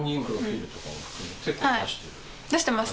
はい出してます。